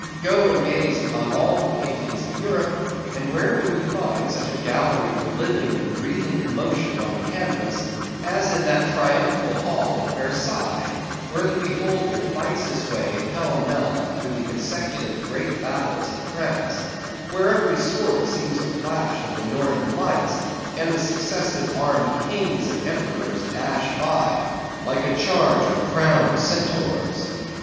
Go and gaze upon all the paintings of Europe, and where will you find such a gallery of living and breathing commotion on canvas, as in that triumphal hall at Versailles; where the beholder fights his way, pell mell, through the consecutive great battles of France; where every sword seems a flash of the Northern Lights, and the successive armed kings and Emperors dash by, like a charge of crowned centaurs?